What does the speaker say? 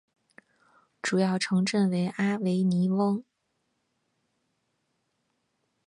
主要城镇为阿维尼翁。